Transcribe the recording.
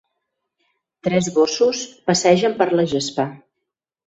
Tres gossos passegen per la gespa.